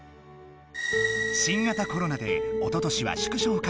新型コロナでおととしは縮小開催。